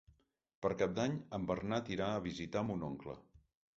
Per Cap d'Any en Bernat irà a visitar mon oncle.